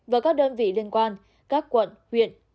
và các đơn vị liên quan các quận huyện